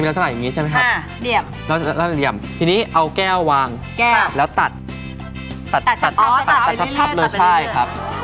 อย่างนี้ใช่ไหมครับแล้วเรียบทีนี้เอาแก้ววางแล้วตัดตัดชับเลยใช่ครับ